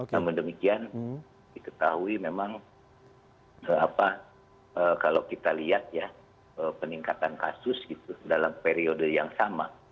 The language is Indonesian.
namun demikian diketahui memang kalau kita lihat ya peningkatan kasus dalam periode yang sama